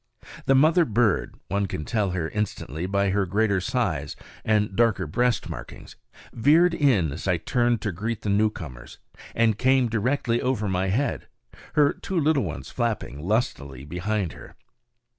The mother bird one can tell her instantly by her greater size and darker breast markings veered in as I turned to greet the newcomers, and came directly over my head, her two little ones flapping lustily behind her.